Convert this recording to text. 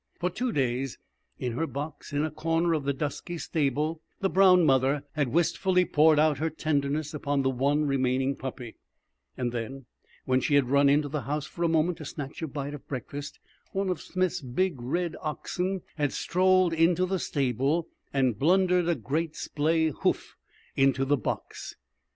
For two days, in her box in a corner of the dusky stable, the brown mother had wistfully poured out her tenderness upon the one remaining puppy; and then, when she had run into the house for a moment to snatch a bite of breakfast, one of Smith's big red oxen had strolled into the stable and blundered a great splay hoof into the box.